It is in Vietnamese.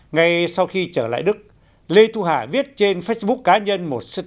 ngay sau khi trở lại đức lê thu hà viết trên facebook cá nhân một serg